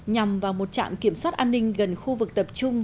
nhằm vào một trạm kiểm soát an ninh gần khu vực tập trung